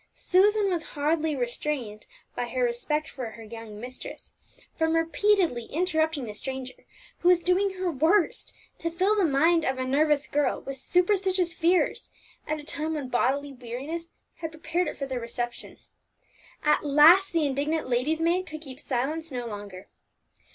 Susan was hardly restrained, by her respect for her young mistress, from repeatedly interrupting the stranger, who was doing her worst to fill the mind of a nervous girl with superstitious fears at a time when bodily weariness had prepared it for their reception. At last the indignant lady's maid could keep silence no longer.